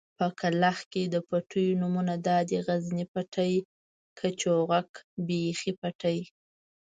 په کلاخ کې د پټيو نومونه دادي: غزني پټی، کچوغک، بېخۍ پټی.